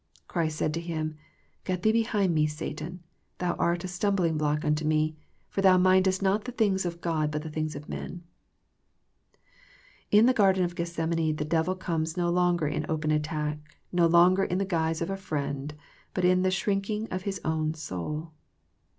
Christ said to him, " Get thee behind Me, Satan : thou art a stumbling block unto Me ; for thou mindest not the things of God, but the things of men." In the garden of Gethsemane the devil comes no longer in open attack, no longer in the guise of a friend, but in the shrinking of His own soul.